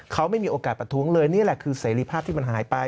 เขาไม่มีโอกาสประท้วงเลยนี่แหละคือเสรีภาพที่มันหายไป